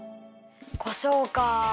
こしょうかあ。